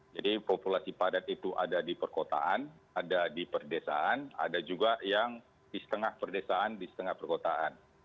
jadi populasi padat itu ada di perkotaan ada di perdesaan ada juga yang di setengah perdesaan di setengah perkotaan